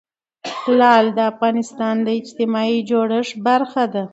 لعل د افغانستان د اجتماعي جوړښت برخه ده.